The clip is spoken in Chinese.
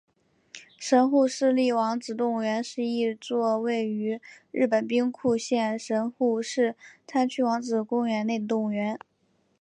神户市立王子动物园是一座位于日本兵库县神户市滩区王子公园内的动物园。